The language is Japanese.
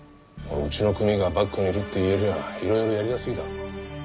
うちの組がバックにいるって言えりゃいろいろやりやすいだろ。